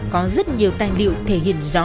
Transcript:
có rất nhiều tài liệu thể hiện